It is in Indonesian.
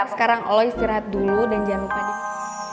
sekarang lo istirahat dulu dan jangan lupa